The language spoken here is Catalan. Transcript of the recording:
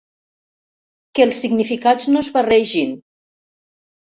Que els significats no es barregin.